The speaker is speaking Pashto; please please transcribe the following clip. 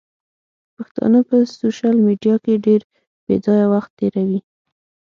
پښتانه په سوشل ميډيا کې ډېر بېځايه وخت تيروي.